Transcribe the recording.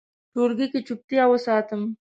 ټولګي کې چوپتیا وساتم.